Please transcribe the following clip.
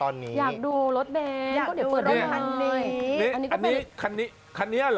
นี่อยากดูรถเบนท์ค่ะตอนนี้